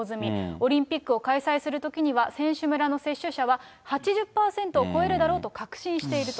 オリンピックを開催するときには、選手村の接種者は８０％を超えるだろうと確信していると。